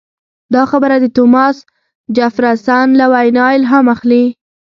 دا خبره د توماس جفرسن له وینا الهام اخلي.